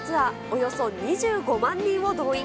およそ２５万人を動員。